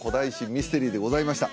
ミステリーでございました